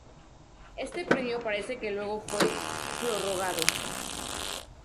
Este permiso parece que luego fue prorrogado.